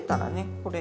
これ